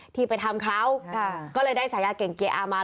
ที่ไปทำเขาก็เลยได้ฉายาเก่งเกียร์อามา